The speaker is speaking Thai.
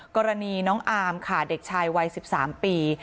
กรณีน้องอามค่ะเด็กชายวัย๑๓ปี